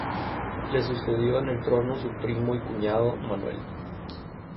Le sucedió en el trono su primo y cuñado, Manuel.